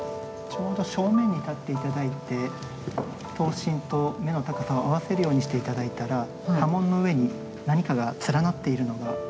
ちょうど正面に立って頂いて刀身と目の高さを合わせるようにして頂いたら刃文の上に何かが連なっているのが。